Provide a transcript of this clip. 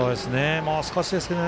もう少しですけどね。